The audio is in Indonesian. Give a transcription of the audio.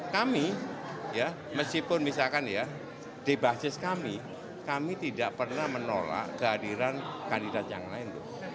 kami ya meskipun misalkan ya di basis kami kami tidak pernah menolak kehadiran kandidat yang lain